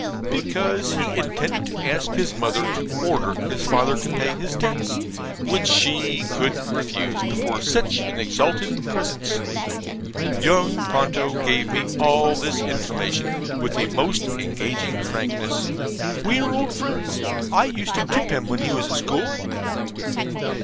because he intended to ask his mother to order his father to pay his debts, which she couldn't refuse before such an exalted presence. Young Ponto gave me all this information with the most engaging frankness. We are old friends. I used to tip him when he was at school.